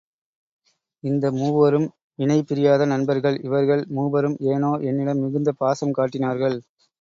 இந்த மூவரும் இணை பிரியாத நண்பர்கள், இவர்கள் மூவரும் ஏனோ என்னிடம் மிகுந்த பாசம் காட்டினார்கள்.